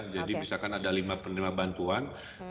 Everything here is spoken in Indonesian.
jadi misalkan ada lima penerima bantuan